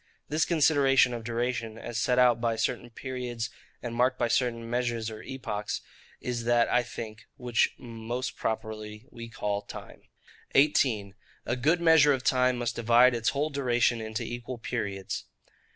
This consideration of duration, as set out by certain periods and marked by certain measures or epochs, is that, I think, which most properly we call TIME. 18. A good Measure of Time must divide its whole Duration into equal Periods.